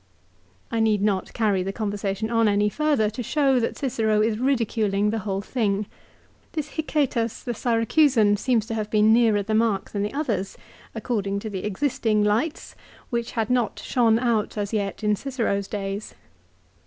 2 I need not carry the conversation on any farther to show that Cicero is ridiculing the whole thing. This Hicetas, the Syracusan seems to have been nearer the mark than the others, according to the existing lights, which had not shone out as yet in Cicero's days.